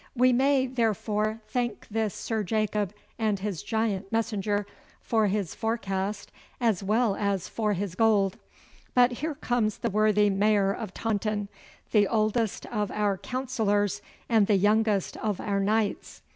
'We may, therefore, thank this Sir Jacob and his giant messenger for his forecast as well as for his gold. But here comes the worthy Mayor of Taunton, the oldest of our councillors and the youngest of our knights.